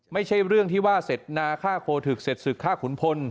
ไม่ใช่เรื่องที่ว่าเสร็จนาฆ่าโคทึกเสร็จศึกฆ่าขุนพล